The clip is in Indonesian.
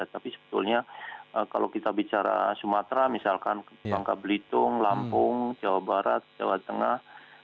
tapi sebetulnya kalau kita bicara sumatera misalkan bangka belitung lampung jawa barat jawa tengah